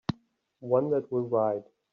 One that will write.